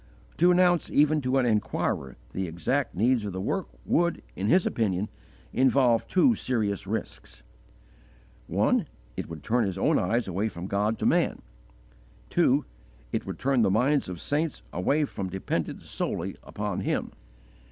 To announce even to an inquirer the exact needs of the work would, in his opinion, involve two serious risks: 1. It would turn his own eyes away from God to man; 2. It would turn the minds of saints away from dependence solely upon Him.